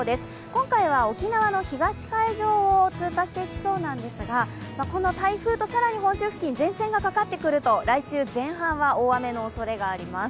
今回は沖縄の東海上を通過していきそうですがこの台風と、更に本州付近、前線がかかってくると、来週前半は大雨のおそれがあります。